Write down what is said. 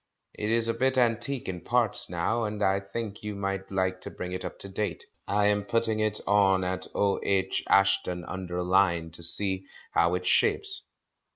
It is a bit antique in parts now, and I think you might like to bring it up to date. I am putting it on at O.H. Ashton under Lyne to see how it shapes.